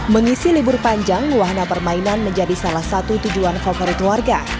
mengisi libur panjang wahana permainan menjadi salah satu tujuan favorit warga